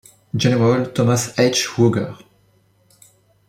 General Thomas H. Ruger.